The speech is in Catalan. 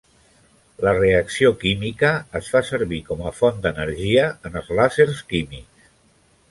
La reacció química es fa servir com a font d'energia en els làsers químics.